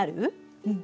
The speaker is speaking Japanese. うん。